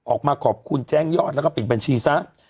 ออกมาขอบคุณแจ้งยอดแล้วก็ปิดบัญชีซะ